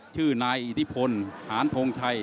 ชื่อนายอิทธิพลหานทงชัย